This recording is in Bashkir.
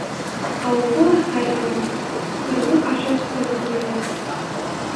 Ауылда ла хәл ауыр, ҡырҙыҡ ашап көн күрәләр.